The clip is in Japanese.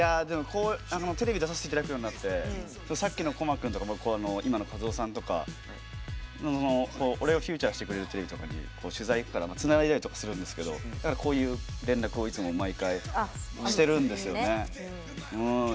テレビ出させていただくようになってさっきのＣＯ‐ＭＡ君とか諏訪さんとか俺をフィーチャーしてくれるというので取材にいったりするんですけどこういう連絡をいつも毎回しているんですよね。